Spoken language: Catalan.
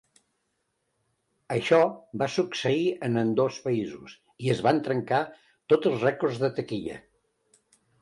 Això va succeir en ambdós països, i es van trencar tots els rècords de taquilla.